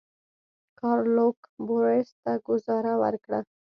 ګارلوک بوریس ته ګوزاره ورکړه.